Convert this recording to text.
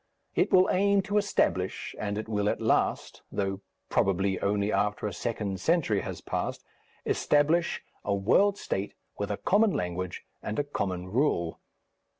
It will aim to establish, and it will at last, though probably only after a second century has passed, establish a world state with a common language and a common rule.